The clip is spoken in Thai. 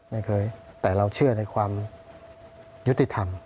ไม่เคยแต่เราเชื่อในความยุติธรรม